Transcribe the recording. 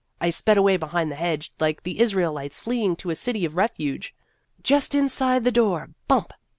I sped away behind the hedge, like the Israelites fleeing to a city of refuge. Just inside the door, bump